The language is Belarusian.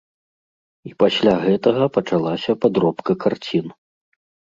І пасля гэтага пачалася падробка карцін.